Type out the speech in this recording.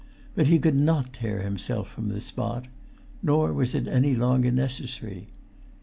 But he could not tear himself from the spot—nor was it any longer necessary.